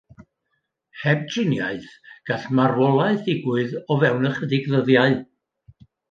Heb driniaeth gall marwolaeth ddigwydd o fewn ychydig ddyddiau.